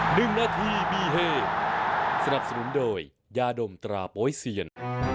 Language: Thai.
หนึ่งนาทีมีเฮสนับสนุนโดยยาดมตราโป๊ยเซียน